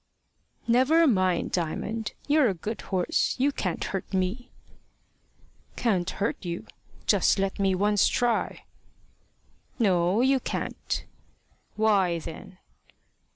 "Never mind, Diamond. You're a good horse. You can't hurt me." "Can't hurt you! Just let me once try." "No, you can't." "Why then?"